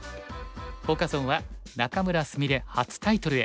フォーカス・オンは「仲邑菫初タイトルへ！